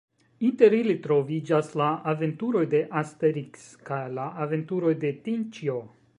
Inter ili troviĝas la Aventuroj de Asteriks, kaj la Aventuroj de Tinĉjo.